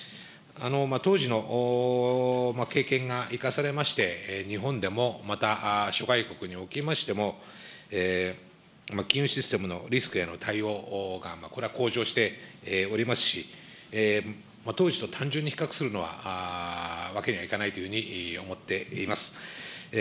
当時の経験が生かされまして、日本でも、また諸外国におきましても、金融システムのリスクへの対応が、これは向上しておりますし、当時と単純に比較するには、わけにはいかないというふうに思っています。